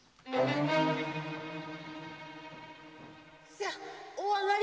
さお上がり！